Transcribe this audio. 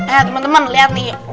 eh teman teman lihat nih